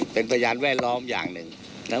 เป็นพยานแวดล้อมอย่างหนึ่ง